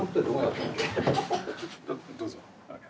どうぞ。